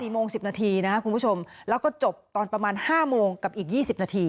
๔โมง๑๐นาทีนะครับคุณผู้ชมแล้วก็จบตอนประมาณ๕โมงกับอีก๒๐นาที